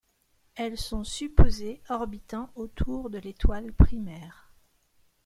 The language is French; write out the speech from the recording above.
Elle sont supposées orbitant autour de l'étoile primaire.